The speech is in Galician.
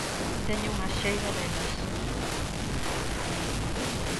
Teño unha xeira delas.